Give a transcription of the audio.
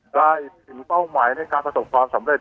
ได้ถึงเป้าหมายในการประสบความสำเร็จ